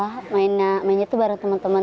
karena mainnya itu bareng teman teman